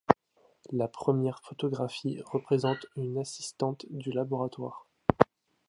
La première photographie représente une assistante du laboratoire.